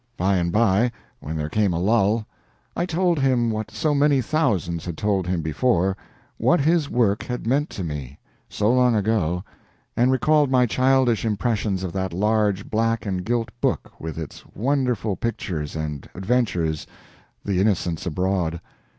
By and by, when there came a lull, I told him what so many thousands had told him before what his work had meant to me, so long ago, and recalled my childish impressions of that large black and gilt book with its wonderful pictures and adventures "The Innocents Abroad."